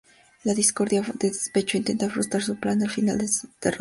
La Discordia, por despecho, intenta frustrar su plan y al final es derrotada.